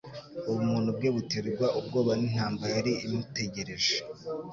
Ubumuntu bwe buterwa ubwoba n’intambara yari imutegereje.